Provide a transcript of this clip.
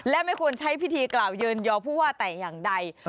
และไม่ควรใช้พิธีกล่าวยืนยอผู้ว่าแต่อย่างใด